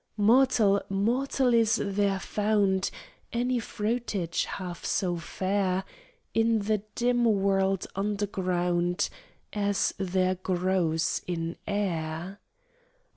"Mortal, mortal, is there found Any fruitage half so fair In the dim world underground As there grows in air?"